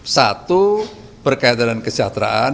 satu berkaitan dengan kesejahteraan